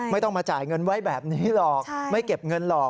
ไม่ต้องมาจ่ายเงินไว้แบบนี้หรอกไม่เก็บเงินหรอก